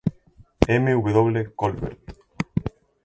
M. W. Colbert.